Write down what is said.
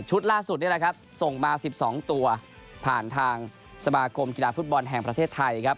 ชุดล่าสุดนี้ส่งมา๑๒ตัวผ่านทางสมาคมกีฬาฟุตบอลแห่งประเทศไทย